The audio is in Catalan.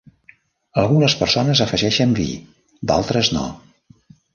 Algunes persones afegeixen vi. D'altres, no.